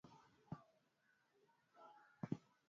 hata kwa uhuru wa nchi ya afrika kusini